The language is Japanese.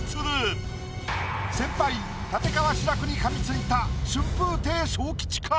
先輩立川志らくにかみついた春風亭昇吉か？